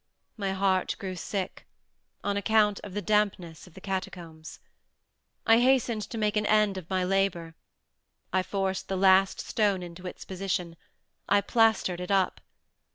My heart grew sick—on account of the dampness of the catacombs. I hastened to make an end of my labor. I forced the last stone into its position; I plastered it up.